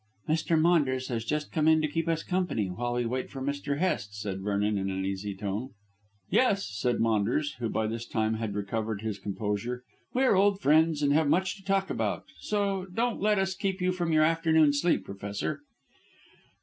"Mr. Maunders has just come in to keep us company while we wait for Mr. Hest," said Vernon in an easy tone. "Yes," said Maunders, who by this time had recovered his composure. "We are old friends and have much to talk about, so don't let us keep you from your afternoon sleep, Professor."